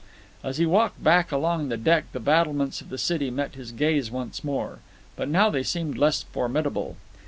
As he walked back along the deck the battlements of the city met his gaze once more. But now they seemed less formidable.